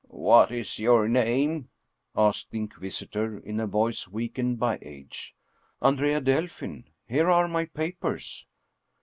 "What is your name?" asked the In quisitor, in a voice weakened by age. " Andrea Delfin. Here are my papers."